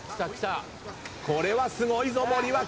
これはすごいぞ森脇。